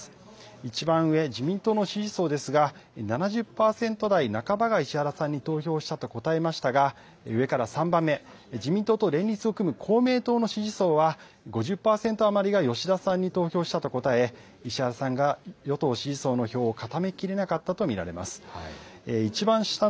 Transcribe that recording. いちばん上、自民党の支持層ですが７０％台半ばが石原さんに投票したと答えましたが上から３番目、自民党と連立を組む公明党の支持層は、５０％余りが吉田さんに投票したと答えて、石原さんが与党支持層の票を固めきれなかったと見られます。